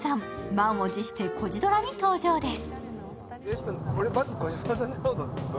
満を持して「コジドラ」に登場です。